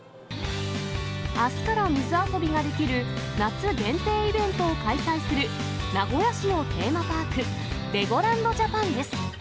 あすから水遊びができる夏限定イベントを開催する名古屋市のテーマパーク、レゴランド・ジャパンです。